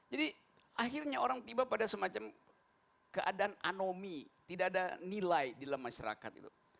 jadi akhirnya orang tiba pada semacam keadaan anomie tidak ada nilai di dalam masyarakat itu